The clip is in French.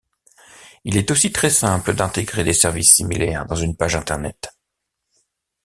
Il est aussi très simple d'intégrer des services similaires dans une page Internet.